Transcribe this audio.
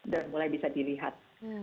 dan mulai bisa dilihat